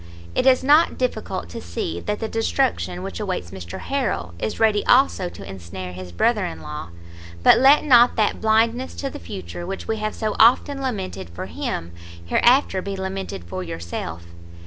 It is not difficult to see that the destruction which awaits Mr Harrel, is ready also to ensnare his brother in law; but let not that blindness to the future which we have so often lamented for him, hereafter be lamented for yourself.